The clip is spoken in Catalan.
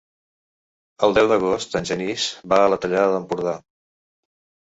El deu d'agost en Genís va a la Tallada d'Empordà.